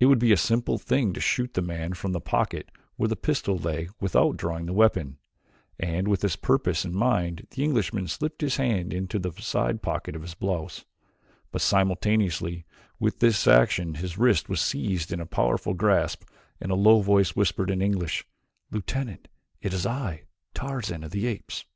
It would be a simple thing to shoot the man from the pocket where the pistol lay without drawing the weapon, and with this purpose in mind the Englishman slipped his hands into the side pocket of his blouse, but simultaneously with this action his wrist was seized in a powerful grasp and a low voice whispered in English: "Lieutenant, it is I, Tarzan of the Apes."